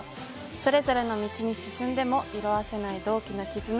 それぞれの道に進んでも色あせない同期のきずな。